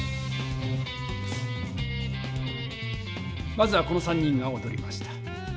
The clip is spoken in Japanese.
まずはこの３人がおどりました。